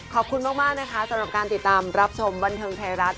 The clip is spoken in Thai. ขอบคุณมากนะคะสำหรับการติดตามรับชมบันเทิงไทยรัฐ